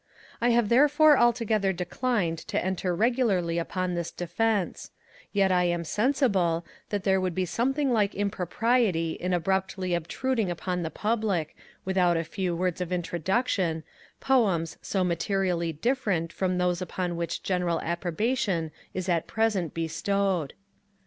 I have therefore altogether declined to enter regularly upon this defence; yet I am sensible, that there would be something like impropriety in abruptly obtruding upon the Public, without a few words of introduction, Poems so materially different from those upon which general approbation is at present bestowed.